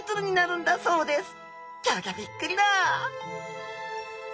ギョギョびっくりだ！